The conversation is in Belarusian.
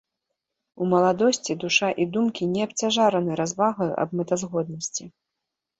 У маладосці душа і думкі не абцяжараны развагаю аб мэтазгоднасці.